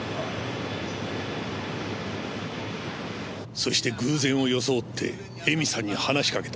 そして偶然を装って恵美さんに話しかけた。